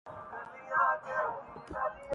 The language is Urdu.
کفِ سیلاب باقی ہے‘ برنگِ پنبہ‘ روزن میں